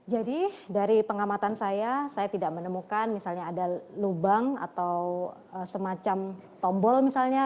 jadi dari pengamatan saya saya tidak menemukan misalnya ada lubang atau semacam tombol misalnya